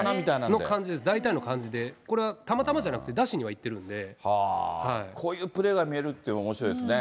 その感じです、大体の感じで、これはたまたまじゃなくて、こういうプレーが見れるっていうのもおもしろいですね。